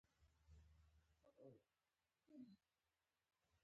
د غزني او هرات ښارونه د اسلامي تمدن مهم مرکزونه وو.